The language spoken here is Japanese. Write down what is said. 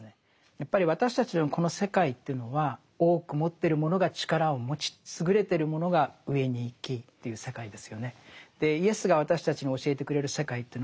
やっぱり私たちのこの世界というのは多く持ってる者が力を持ち優れてる者が上に行きという世界ですよね。